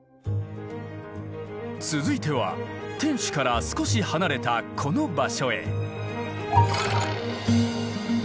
続いては天守から少し離れたこの場所へ。